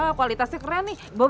wah kualitasnya keren nih